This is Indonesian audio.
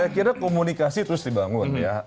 saya kira komunikasi terus dibangun ya